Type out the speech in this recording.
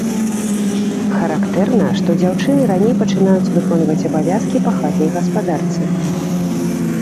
Характэрна, што дзяўчыны раней пачынаюць выконваць абавязкі па хатняй гаспадарцы.